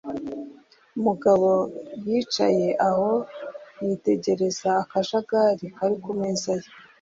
Mugabo yicaye aho, yitegereza akajagari kari ku meza ye.